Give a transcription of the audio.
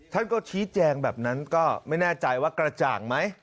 ท่านก็ชี้แจงแบบนั้นก็ไม่แน่ใจว่ากระจ่างไหม